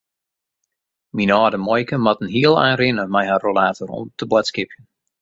Myn âlde muoike moat in heel ein rinne mei har rollator om te boadskipjen.